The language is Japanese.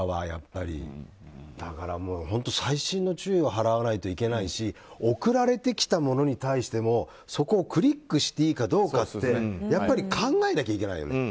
だから本当に細心の注意を払わないといけないし送られてきたものに対してもそれをクリックしていいかどうかってやっぱり考えなきゃいけないよね。